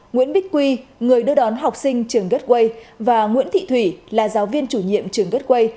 nguyễn bích quy người đưa đón học sinh trường gateway và nguyễn thị thủy là giáo viên chủ nhiệm trường gateway